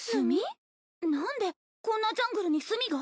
何でこんなジャングルに墨が？